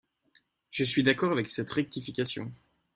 Je suis d’accord avec cette rectification.